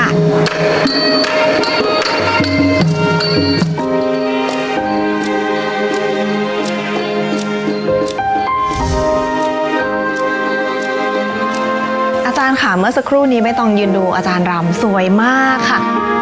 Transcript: อาจารย์ค่ะเมื่อสักครู่นี้ไม่ต้องยืนดูอาจารย์รำสวยมากค่ะ